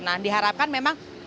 nah diharapkan memang